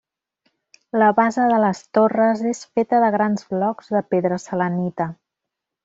La base de les torres és feta de grans blocs de pedra selenita.